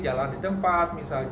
jalan di tempat misalnya